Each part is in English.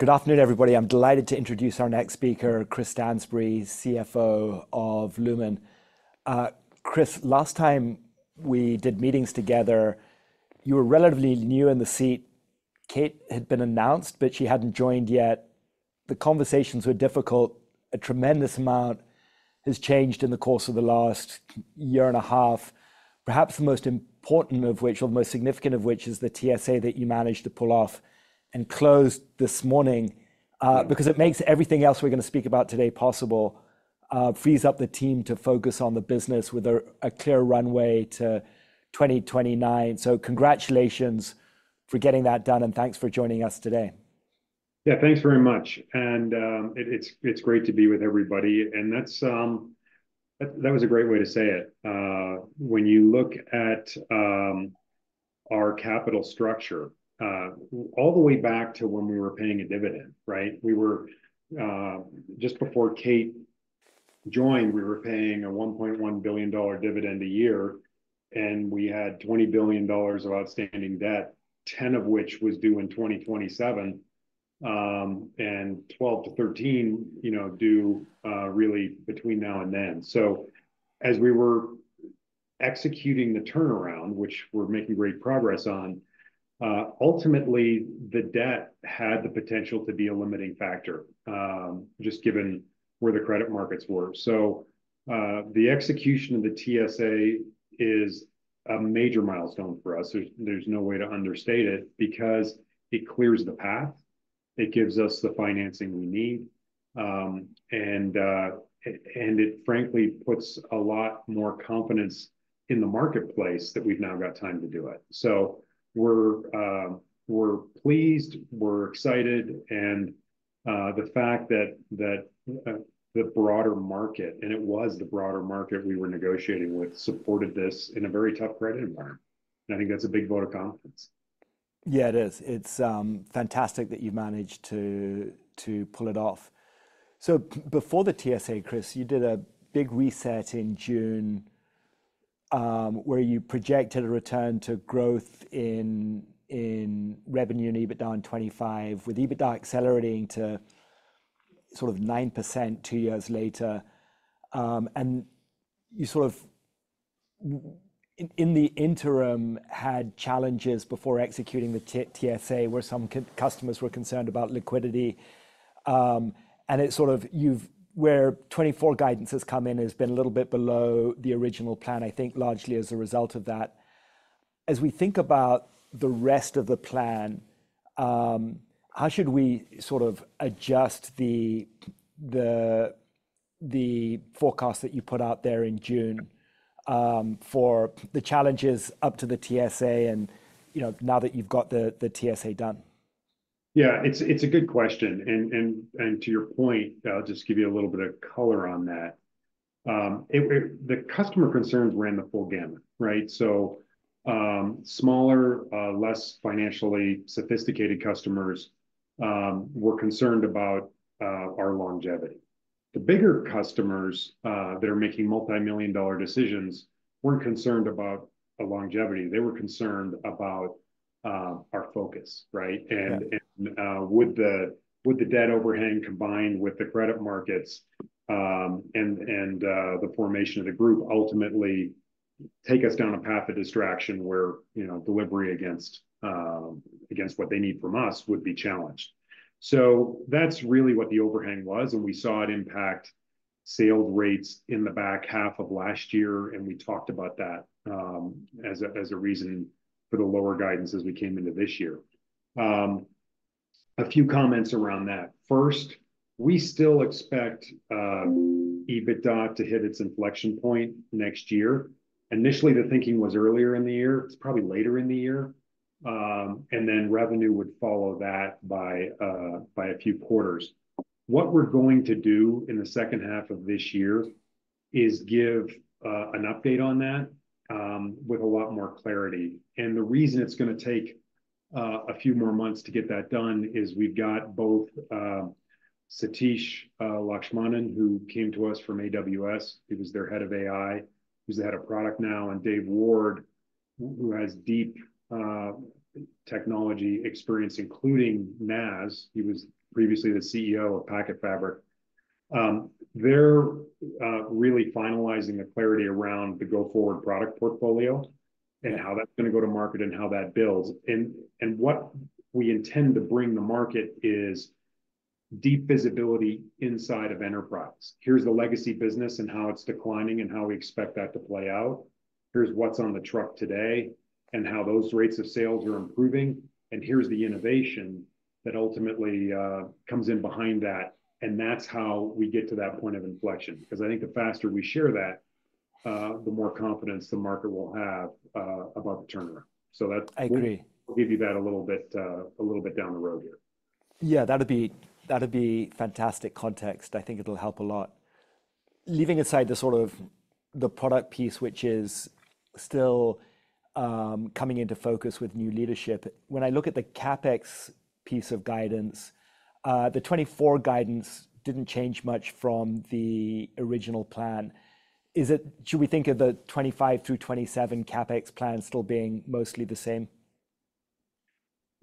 Good afternoon, everybody. I'm delighted to introduce our next speaker, Chris Stansbury, CFO of Lumen. Chris, last time we did meetings together, you were relatively new in the seat. Kate had been announced, but she hadn't joined yet. The conversations were difficult. A tremendous amount has changed in the course of the last year and a half, perhaps the most important of which, or the most significant of which, is the TSA that you managed to pull off and close this morning because it makes everything else we're going to speak about today possible, frees up the team to focus on the business with a clear runway to 2029. So congratulations for getting that done, and thanks for joining us today. Yeah, thanks very much. And it's great to be with everybody. And that was a great way to say it. When you look at our capital structure, all the way back to when we were paying a dividend, right, we were just before Kate joined, we were paying a $1.1 billion dividend a year, and we had $20 billion of outstanding debt, $10 billion of which was due in 2027 and $12 billion-$13 billion due really between now and then. So as we were executing the turnaround, which we're making great progress on, ultimately, the debt had the potential to be a limiting factor, just given where the credit markets were. So the execution of the TSA is a major milestone for us. There's no way to understate it because it clears the path. It gives us the financing we need, and it frankly puts a lot more confidence in the marketplace that we've now got time to do it. So we're pleased. We're excited. And the fact that the broader market, and it was the broader market we were negotiating with, supported this in a very tough credit environment. And I think that's a big vote of confidence. Yeah, it is. It's fantastic that you've managed to pull it off. So before the TSA, Chris, you did a big reset in June where you projected a return to growth in revenue and EBITDA in 2025, with EBITDA accelerating to sort of 9% 2 years later. And you sort of, in the interim, had challenges before executing the TSA where some customers were concerned about liquidity. And it's sort of where 2024 guidances come in has been a little bit below the original plan, I think, largely as a result of that. As we think about the rest of the plan, how should we sort of adjust the forecast that you put out there in June for the challenges up to the TSA and now that you've got the TSA done? Yeah, it's a good question. And to your point, I'll just give you a little bit of color on that. The customer concerns ran the full gamut, right? So smaller, less financially sophisticated customers were concerned about our longevity. The bigger customers that are making multimillion-dollar decisions weren't concerned about longevity. They were concerned about our focus, right? And would the debt overhang combined with the credit markets and the formation of the group ultimately take us down a path of distraction where delivery against what they need from us would be challenged? So that's really what the overhang was. And we saw it impact sales rates in the back half of last year. And we talked about that as a reason for the lower guidances we came into this year. A few comments around that. First, we still expect EBITDA to hit its inflection point next year. Initially, the thinking was earlier in the year. It's probably later in the year. And then revenue would follow that by a few quarters. What we're going to do in the second half of this year is give an update on that with a lot more clarity. And the reason it's going to take a few more months to get that done is we've got both Satish Lakshmanan, who came to us from AWS. He was their head of AI. He's the head of product now. And Dave Ward, who has deep technology experience, including NaaS. He was previously the CEO of PacketFabric. They're really finalizing the clarity around the go-forward product portfolio and how that's going to go to market and how that builds. And what we intend to bring to market is deep visibility inside of enterprise. Here's the legacy business and how it's declining and how we expect that to play out. Here's what's on the truck today and how those rates of sales are improving. And here's the innovation that ultimately comes in behind that. And that's how we get to that point of inflection. Because I think the faster we share that, the more confidence the market will have about the turnaround. So I'll give you that a little bit down the road here. Yeah, that would be fantastic context. I think it'll help a lot. Leaving aside the sort of product piece, which is still coming into focus with new leadership, when I look at the CapEx piece of guidance, the 2024 guidance didn't change much from the original plan. Should we think of the 2025 through 2027 CapEx plan still being mostly the same?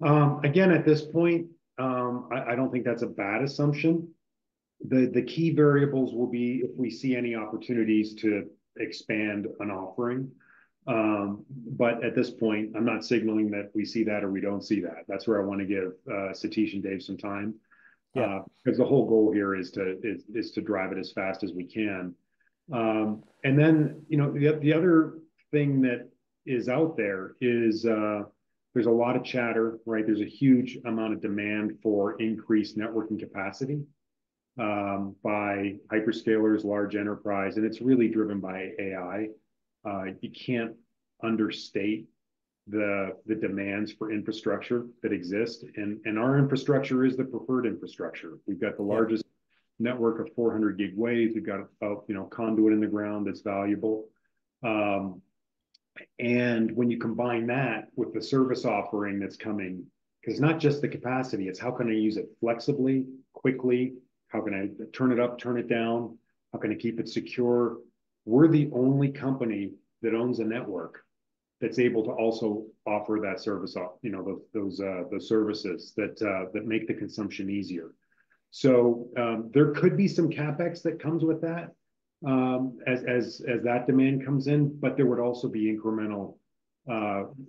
Again, at this point, I don't think that's a bad assumption. The key variables will be if we see any opportunities to expand an offering. But at this point, I'm not signaling that we see that or we don't see that. That's where I want to give Satish and Dave some time. Because the whole goal here is to drive it as fast as we can. And then the other thing that is out there is there's a lot of chatter, right? There's a huge amount of demand for increased networking capacity by hyperscalers, large enterprise. And it's really driven by AI. You can't understate the demands for infrastructure that exist. And our infrastructure is the preferred infrastructure. We've got the largest network of 400 Gb Waves. We've got a conduit in the ground that's valuable. When you combine that with the service offering that's coming because it's not just the capacity. It's how can I use it flexibly, quickly? How can I turn it up, turn it down? How can I keep it secure? We're the only company that owns a network that's able to also offer that service, those services that make the consumption easier. So there could be some CapEx that comes with that as that demand comes in. But there would also be incremental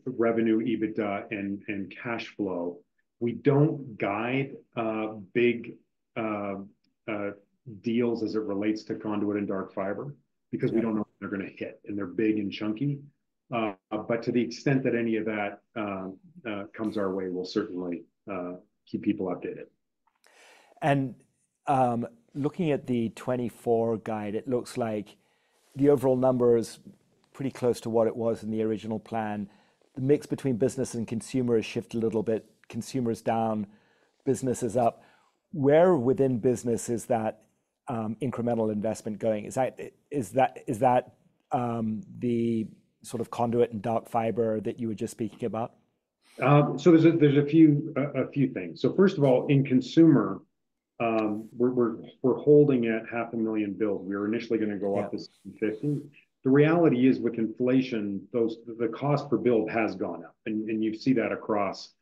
revenue, EBITDA, and cash flow. We don't guide big deals as it relates to conduit and dark fiber because we don't know when they're going to hit. They're big and chunky. To the extent that any of that comes our way, we'll certainly keep people updated. Looking at the 2024 guide, it looks like the overall number is pretty close to what it was in the original plan. The mix between business and consumer has shifted a little bit. Consumer is down. Business is up. Where within business is that incremental investment going? Is that the sort of conduit and dark fiber that you were just speaking about? So there's a few things. So first of all, in consumer, we're holding at 500,000 build. We were initially going to go up to 750,000. The reality is, with inflation, the cost per build has gone up. And you see that across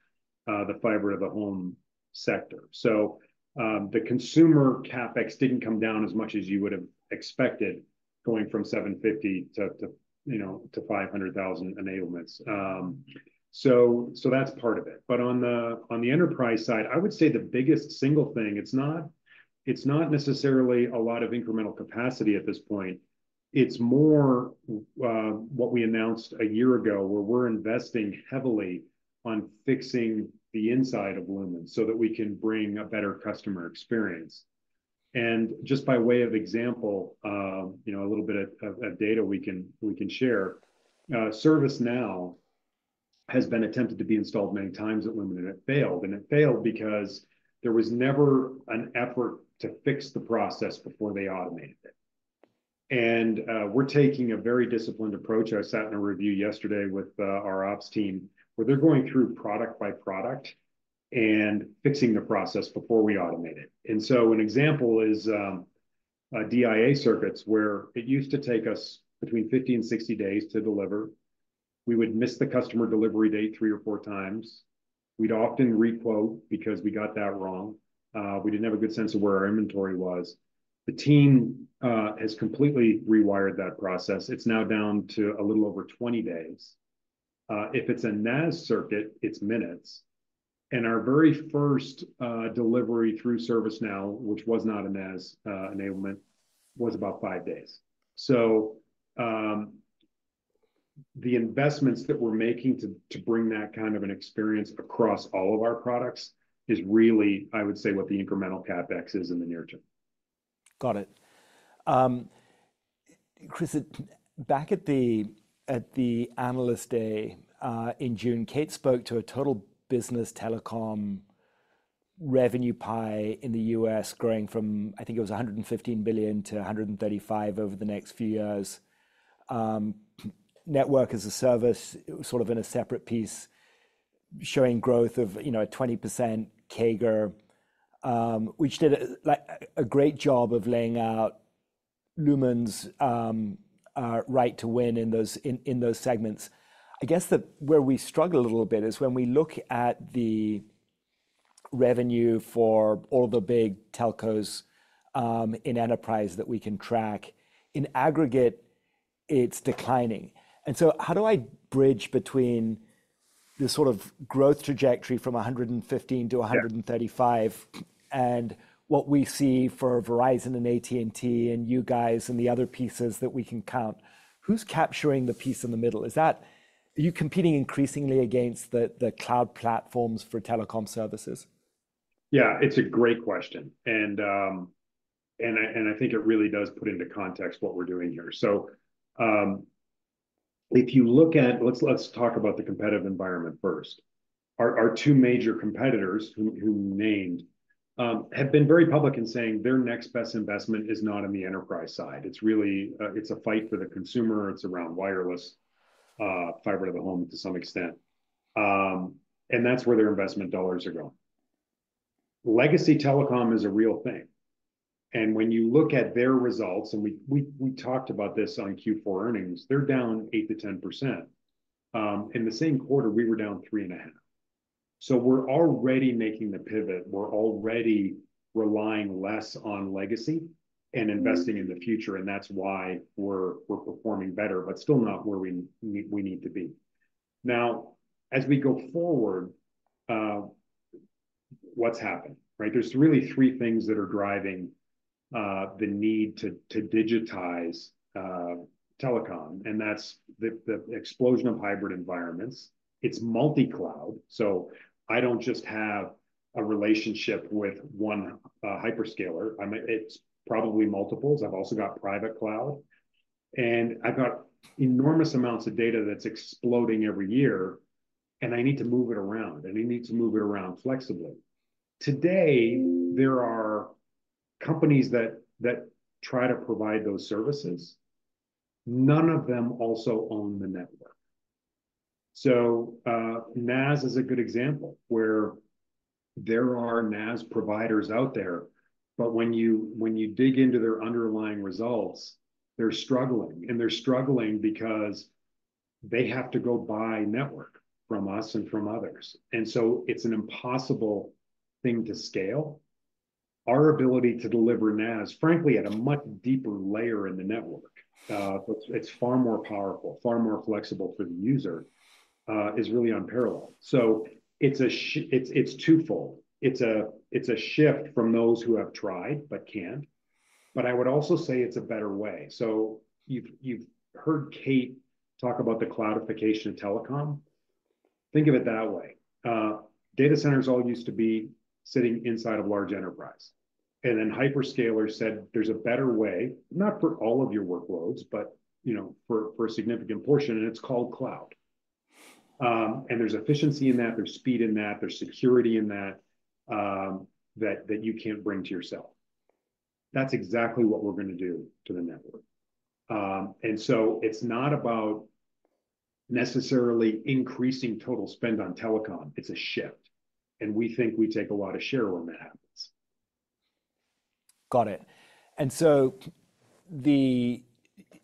the fiber-to-the-home sector. So the consumer CapEx didn't come down as much as you would have expected going from 750,000 to 500,000 enablements. So that's part of it. But on the enterprise side, I would say the biggest single thing, it's not necessarily a lot of incremental capacity at this point. It's more what we announced a year ago where we're investing heavily on fixing the inside of Lumen so that we can bring a better customer experience. And just by way of example, a little bit of data we can share. ServiceNow has been attempted to be installed many times at Lumen, and it failed. It failed because there was never an effort to fix the process before they automated it. We're taking a very disciplined approach. I sat in a review yesterday with our ops team where they're going through product by product and fixing the process before we automate it. So an example is DIA circuits where it used to take us between 50-60 days to deliver. We would miss the customer delivery date 3 or 4 times. We'd often requote because we got that wrong. We didn't have a good sense of where our inventory was. The team has completely rewired that process. It's now down to a little over 20 days. If it's a NaaS circuit, it's minutes. Our very first delivery through ServiceNow, which was not a NaaS enablement, was about five days. So the investments that we're making to bring that kind of an experience across all of our products is really, I would say, what the incremental CapEx is in the near term. Got it. Chris, back at the analyst day in June, Kate spoke to a total business telecom revenue pie in the US growing from, I think it was $115 billion-$135 billion over the next few years. Network as a service, sort of in a separate piece, showing growth of a 20% CAGR, which did a great job of laying out Lumen's right to win in those segments. I guess where we struggle a little bit is when we look at the revenue for all of the big telcos in enterprise that we can track, in aggregate, it's declining. And so how do I bridge between the sort of growth trajectory from $115 billion-$135 billion and what we see for Verizon and AT&T and you guys and the other pieces that we can count? Who's capturing the piece in the middle? Are you competing increasingly against the cloud platforms for telecom services? Yeah, it's a great question. And I think it really does put into context what we're doing here. So if you look at, let's talk about the competitive environment first. Our two major competitors, whom you named, have been very public in saying their next best investment is not on the enterprise side. It's a fight for the consumer. It's around wireless fiber to the home to some extent. And that's where their investment dollars are going. Legacy Telecom is a real thing. And when you look at their results and we talked about this on Q4 earnings, they're down 8%-10%. In the same quarter, we were down 3.5%. So we're already making the pivot. We're already relying less on legacy and investing in the future. And that's why we're performing better, but still not where we need to be. Now, as we go forward, what's happened, right? There's really three things that are driving the need to digitize telecom. And that's the explosion of hybrid environments. It's multi-cloud. So I don't just have a relationship with one hyperscaler. It's probably multiples. I've also got private cloud. And I've got enormous amounts of data that's exploding every year. And I need to move it around. And I need to move it around flexibly. Today, there are companies that try to provide those services. None of them also own the network. So NaaS is a good example where there are NaaS providers out there. But when you dig into their underlying results, they're struggling. And they're struggling because they have to go buy network from us and from others. And so it's an impossible thing to scale. Our ability to deliver NaaS, frankly, at a much deeper layer in the network, it's far more powerful, far more flexible for the user, is really unparalleled. So it's twofold. It's a shift from those who have tried but can't. But I would also say it's a better way. So you've heard Kate talk about the cloudification of telecom. Think of it that way. Data centers all used to be sitting inside of large enterprise. And then hyperscalers said there's a better way, not for all of your workloads, but for a significant portion. And it's called cloud. And there's efficiency in that. There's speed in that. There's security in that that you can't bring to yourself. That's exactly what we're going to do to the network. And so it's not about necessarily increasing total spend on telecom. It's a shift. We think we take a lot of share when that happens. Got it. So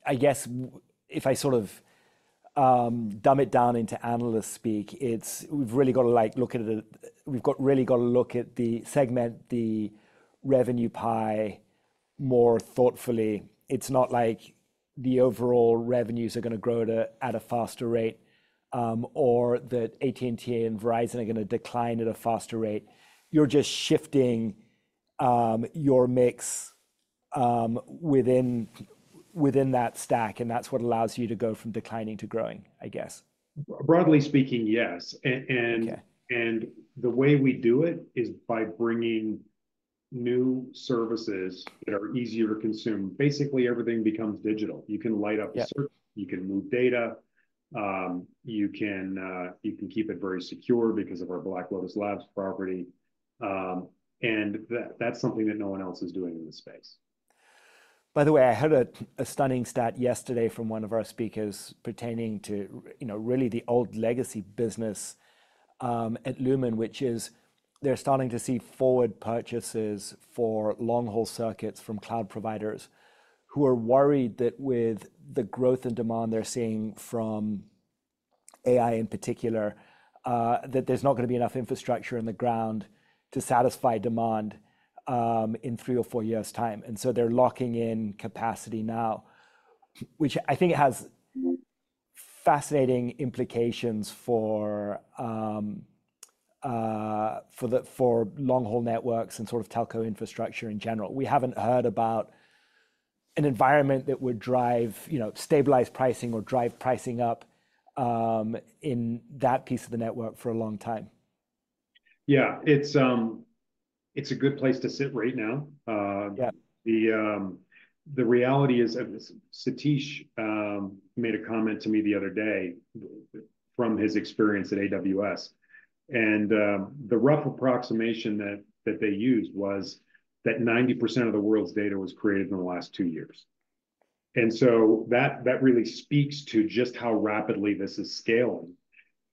I guess if I sort of dumb it down into analyst speak, we've really got to look at the segment, the revenue pie more thoughtfully. It's not like the overall revenues are going to grow at a faster rate or that AT&T and Verizon are going to decline at a faster rate. You're just shifting your mix within that stack. And that's what allows you to go from declining to growing, I guess. Broadly speaking, yes. And the way we do it is by bringing new services that are easier to consume. Basically, everything becomes digital. You can light up a circuit. You can move data. You can keep it very secure because of our Black Lotus Labs property. And that's something that no one else is doing in the space. By the way, I heard a stunning stat yesterday from one of our speakers pertaining to really the old legacy business at Lumen, which is they're starting to see forward purchases for long-haul circuits from cloud providers who are worried that with the growth and demand they're seeing from AI in particular, that there's not going to be enough infrastructure in the ground to satisfy demand in three or four years' time. And so they're locking in capacity now, which I think has fascinating implications for long-haul networks and sort of telco infrastructure in general. We haven't heard about an environment that would stabilize pricing or drive pricing up in that piece of the network for a long time. Yeah, it's a good place to sit right now. The reality is Satish made a comment to me the other day from his experience at AWS. The rough approximation that they used was that 90% of the world's data was created in the last two years. So that really speaks to just how rapidly this is scaling.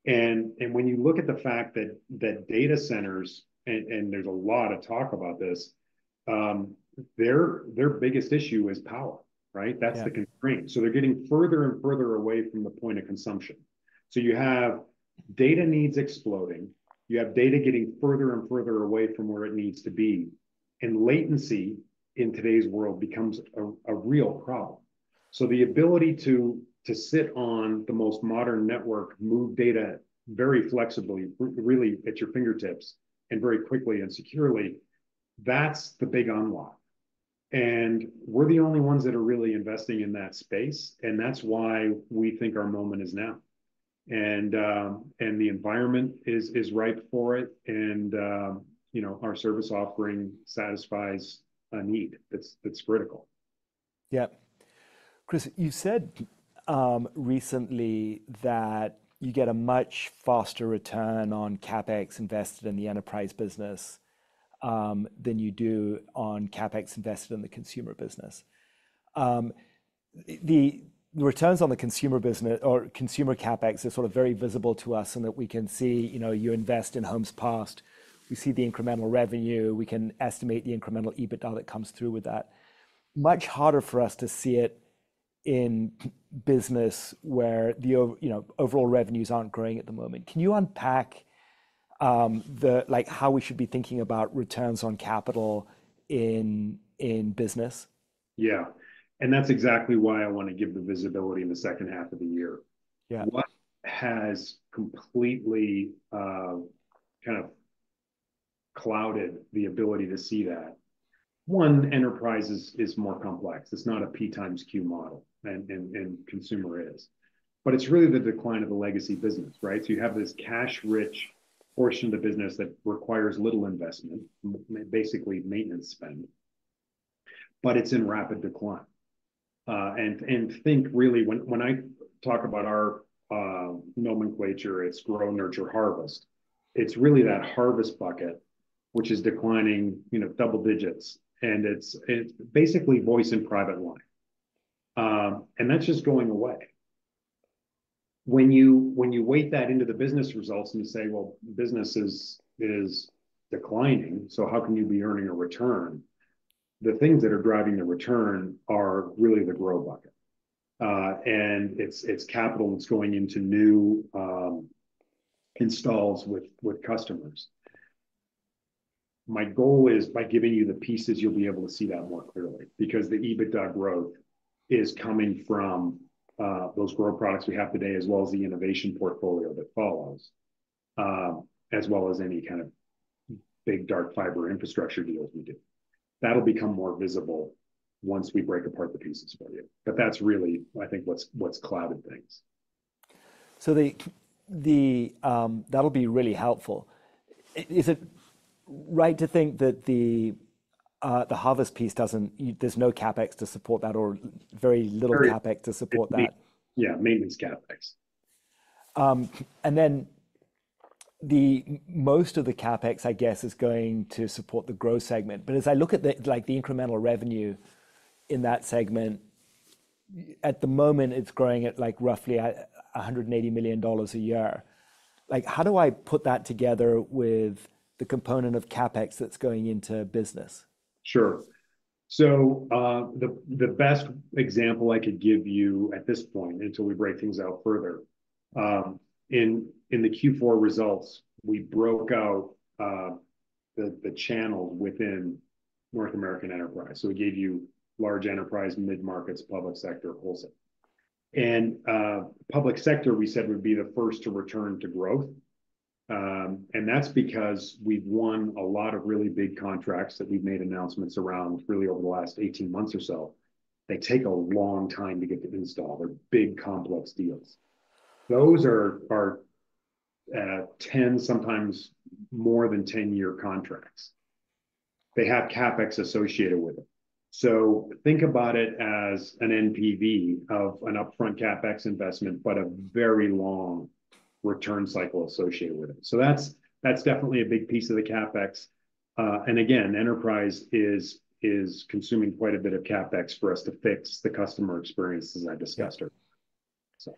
When you look at the fact that data centers and there's a lot of talk about this, their biggest issue is power, right? That's the constraint. They're getting further and further away from the point of consumption. You have data needs exploding. You have data getting further and further away from where it needs to be. Latency in today's world becomes a real problem. So the ability to sit on the most modern network, move data very flexibly, really at your fingertips, and very quickly and securely, that's the big unlock. We're the only ones that are really investing in that space. That's why we think our moment is now. The environment is ripe for it. Our service offering satisfies a need that's critical. Yep. Chris, you said recently that you get a much faster return on CapEx invested in the enterprise business than you do on CapEx invested in the consumer business. The returns on the consumer business or consumer CapEx are sort of very visible to us in that we can see you invest in homes passed. We see the incremental revenue. We can estimate the incremental EBITDA that comes through with that. Much harder for us to see it in business where the overall revenues aren't growing at the moment. Can you unpack how we should be thinking about returns on capital in business? Yeah. And that's exactly why I want to give the visibility in the second half of the year. What has completely kind of clouded the ability to see that? One, enterprise is more complex. It's not a P times Q model. And consumer is. But it's really the decline of the legacy business, right? So you have this cash-rich portion of the business that requires little investment, basically maintenance spend. But it's in rapid decline. And think really, when I talk about our nomenclature, it's grow, nurture, harvest. It's really that harvest bucket, which is declining double digits. And it's basically voice and private line. And that's just going away. When you weigh that into the business results and you say, "Well, business is declining. So how can you be earning a return?" The things that are driving the return are really the growth bucket. And it's capital that's going into new installs with customers. My goal is by giving you the pieces, you'll be able to see that more clearly because the EBITDA growth is coming from those growth products we have today, as well as the innovation portfolio that follows, as well as any kind of big dark fiber infrastructure deals we do. That'll become more visible once we break apart the pieces for you. But that's really, I think, what's clouded things. So that'll be really helpful. Is it right to think that the harvest piece doesn't, there's no CapEx to support that or very little CapEx to support that? Yeah, maintenance CapEx. And then most of the CapEx, I guess, is going to support the growth segment. But as I look at the incremental revenue in that segment, at the moment, it's growing at roughly $180 million a year. How do I put that together with the component of CapEx that's going into business? Sure. So the best example I could give you at this point until we break things out further, in the Q4 results, we broke out the channels within North American enterprise. So we gave you large enterprise, mid-markets, public sector, wholesale. And public sector, we said, would be the first to return to growth. And that's because we've won a lot of really big contracts that we've made announcements around really over the last 18 months or so. They take a long time to get to install. They're big, complex deals. Those are 10, sometimes more than 10-year contracts. They have CapEx associated with them. So think about it as an NPV of an upfront CapEx investment, but a very long return cycle associated with it. So that's definitely a big piece of the CapEx. Again, enterprise is consuming quite a bit of CapEx for us to fix the customer experience as I discussed earlier, so.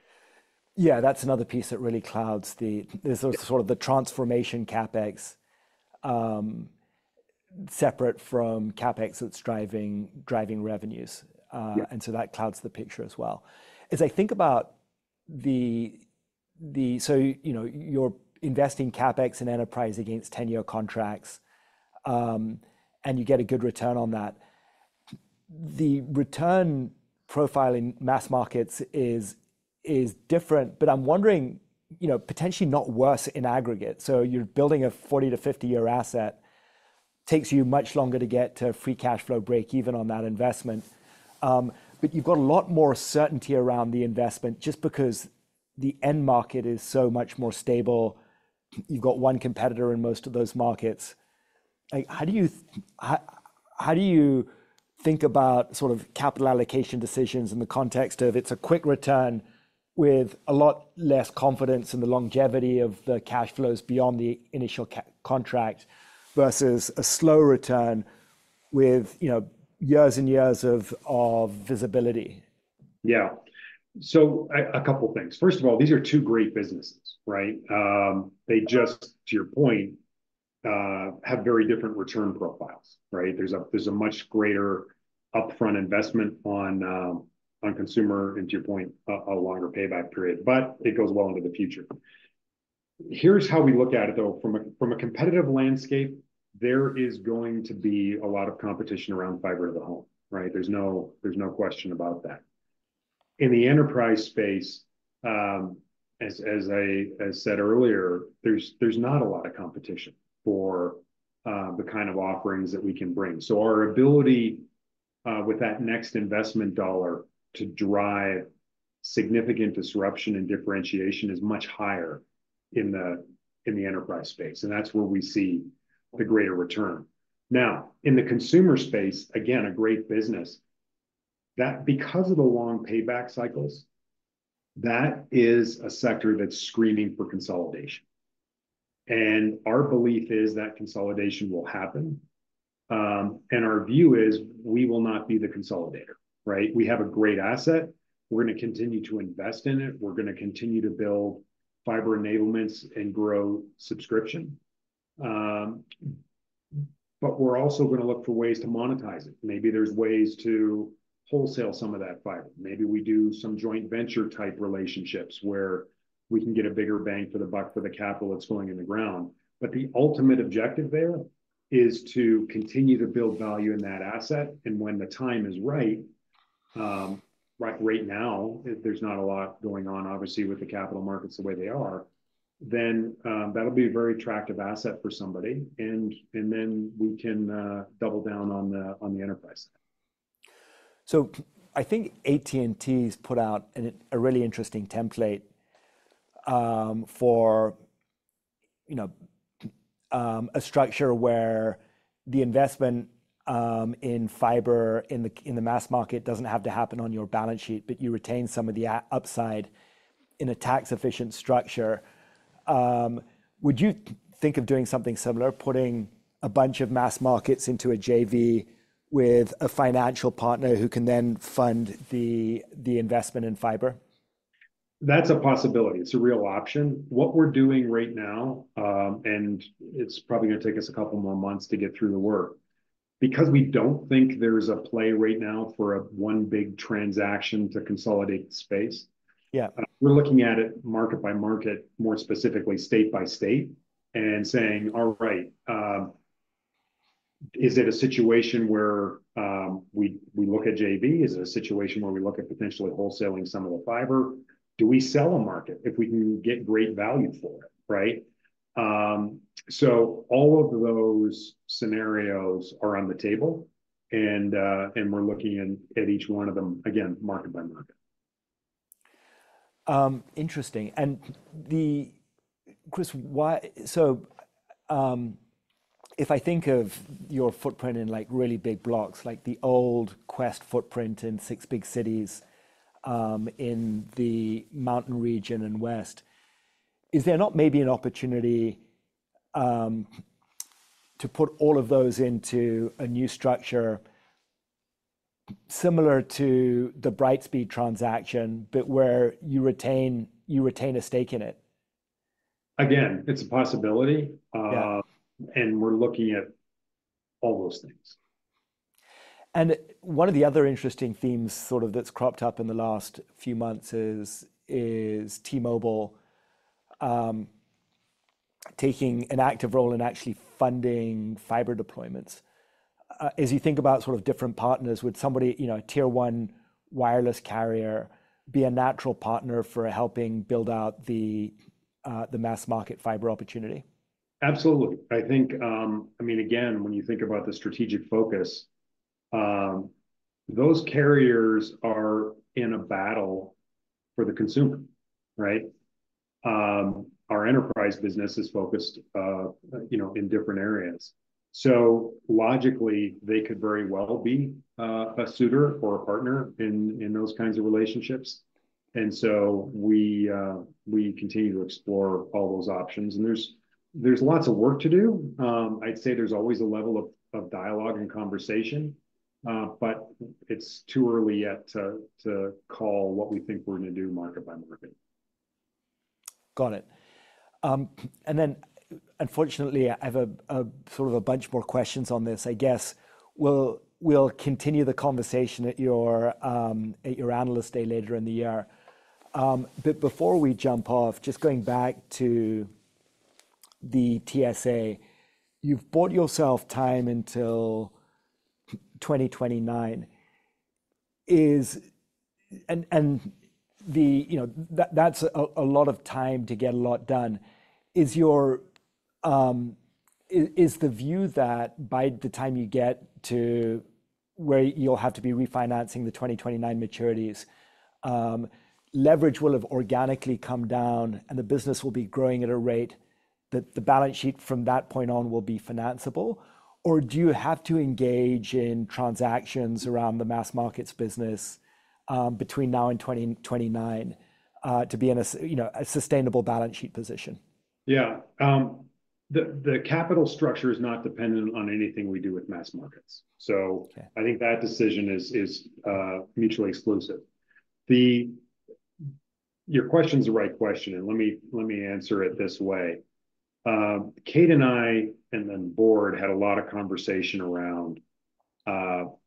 Yeah, that's another piece that really clouds the picture. There's sort of the transformation CapEx separate from CapEx that's driving revenues. And so that clouds the picture as well. As I think about the, so you're investing CapEx in enterprise against 10-year contracts. And you get a good return on that. The return profile in mass markets is different. But I'm wondering, potentially not worse in aggregate. So you're building a 40-50-year asset. Takes you much longer to get to free cash flow break-even on that investment. But you've got a lot more certainty around the investment just because the end market is so much more stable. You've got one competitor in most of those markets. How do you think about sort of capital allocation decisions in the context of it's a quick return with a lot less confidence in the longevity of the cash flows beyond the initial contract versus a slow return with years and years of visibility? Yeah. So a couple of things. First of all, these are two great businesses, right? They just, to your point, have very different return profiles, right? There's a much greater upfront investment on consumer and, to your point, a longer payback period. But it goes well into the future. Here's how we look at it, though. From a competitive landscape, there is going to be a lot of competition around fiber to the home, right? There's no question about that. In the enterprise space, as I said earlier, there's not a lot of competition for the kind of offerings that we can bring. So our ability with that next investment dollar to drive significant disruption and differentiation is much higher in the enterprise space. And that's where we see the greater return. Now, in the consumer space, again, a great business, because of the long payback cycles, that is a sector that's screaming for consolidation. Our belief is that consolidation will happen. Our view is we will not be the consolidator, right? We have a great asset. We're going to continue to invest in it. We're going to continue to build fiber enablements and grow subscription. But we're also going to look for ways to monetize it. Maybe there's ways to wholesale some of that fiber. Maybe we do some joint venture-type relationships where we can get a bigger bang for the buck for the capital that's going in the ground. But the ultimate objective there is to continue to build value in that asset. When the time is right, right now, there's not a lot going on, obviously, with the capital markets the way they are, then that'll be a very attractive asset for somebody. Then we can double down on the enterprise side. I think AT&T has put out a really interesting template for a structure where the investment in fiber in the mass market doesn't have to happen on your balance sheet, but you retain some of the upside in a tax-efficient structure. Would you think of doing something similar, putting a bunch of mass markets into a JV with a financial partner who can then fund the investment in fiber? That's a possibility. It's a real option. What we're doing right now, and it's probably going to take us a couple more months to get through the work because we don't think there's a play right now for one big transaction to consolidate the space. We're looking at it market by market, more specifically state by state, and saying, "All right. Is it a situation where we look at JV? Is it a situation where we look at potentially wholesaling some of the fiber? Do we sell a market if we can get great value for it, right?" So all of those scenarios are on the table. We're looking at each one of them, again, market by market. Interesting. Chris, so if I think of your footprint in really big blocks, like the old Qwest footprint in six big cities in the Mountain West region, is there not maybe an opportunity to put all of those into a new structure similar to the Brightspeed transaction, but where you retain a stake in it? Again, it's a possibility. We're looking at all those things. One of the other interesting themes sort of that's cropped up in the last few months is T-Mobile taking an active role in actually funding fiber deployments. As you think about sort of different partners, would somebody, a tier-one wireless carrier, be a natural partner for helping build out the mass market fiber opportunity? Absolutely. I mean, again, when you think about the strategic focus, those carriers are in a battle for the consumer, right? Our enterprise business is focused in different areas. So logically, they could very well be a suitor or a partner in those kinds of relationships. And so we continue to explore all those options. And there's lots of work to do. I'd say there's always a level of dialogue and conversation. But it's too early yet to call what we think we're going to do market by market. Got it. And then, unfortunately, I have sort of a bunch more questions on this, I guess. We'll continue the conversation at your analyst day later in the year. But before we jump off, just going back to the TSA, you've bought yourself time until 2029. And that's a lot of time to get a lot done. Is the view that by the time you get to where you'll have to be refinancing the 2029 maturities, leverage will have organically come down, and the business will be growing at a rate that the balance sheet from that point on will be financeable? Or do you have to engage in transactions around the mass markets business between now and 2029 to be in a sustainable balance sheet position? Yeah. The capital structure is not dependent on anything we do with mass markets. So I think that decision is mutually exclusive. Your question's the right question. And let me answer it this way. Kate and I and then the Board had a lot of conversation around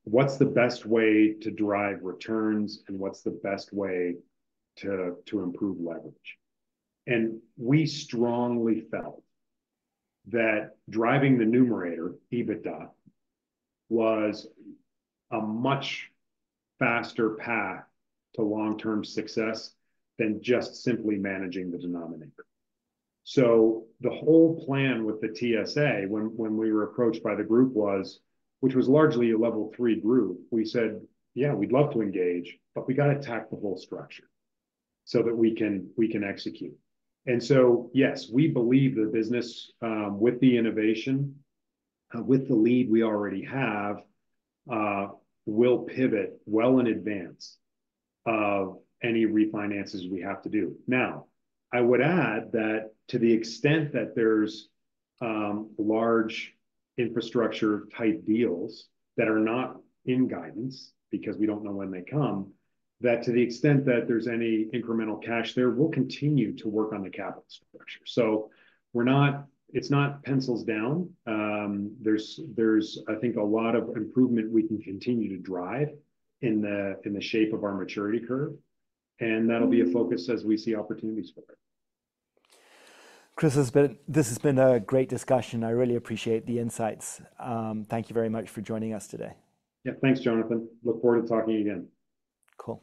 what's the best way to drive returns and what's the best way to improve leverage. And we strongly felt that driving the numerator, EBITDA, was a much faster path to long-term success than just simply managing the denominator. So the whole plan with the TSA, when we were approached by the group, which was largely a Level 3 group, we said, "Yeah, we'd love to engage, but we got to attack the whole structure so that we can execute." And so, yes, we believe the business with the innovation, with the lead we already have, will pivot well in advance of any refinances we have to do. Now, I would add that to the extent that there's large infrastructure-type deals that are not in guidance because we don't know when they come, that to the extent that there's any incremental cash there, we'll continue to work on the capital structure. So it's not pencils down. There's, I think, a lot of improvement we can continue to drive in the shape of our maturity curve. And that'll be a focus as we see opportunities for it. Chris, this has been a great discussion. I really appreciate the insights. Thank you very much for joining us today. Yeah, thanks, Jonathan. Look forward to talking again. Cool.